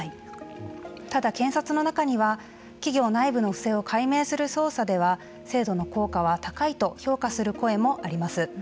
ただ検察の中には企業内部の不正を解明する捜査では制度の効果は高いと評価する声もあります。